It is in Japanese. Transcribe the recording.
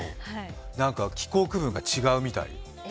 気候区分が違うみたい。